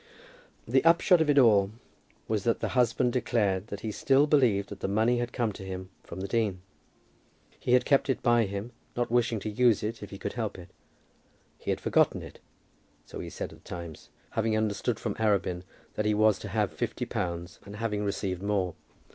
The upshot of it all was that the husband declared that he still believed that the money had come to him from the dean. He had kept it by him, not wishing to use it if he could help it. He had forgotten it, so he said at times, having understood from Arabin that he was to have fifty pounds, and having received more.